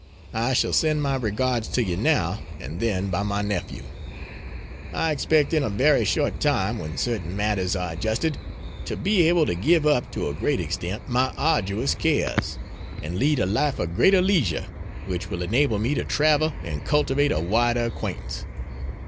I shall send my regards to you now and then by my nephew. I expect, in a very short time, when certain matters are adjusted, to be able to give up, to a great extent, my arduous cares, and lead a life of greater leisure, which will enable me to travel and cultivate a wider acquaintance.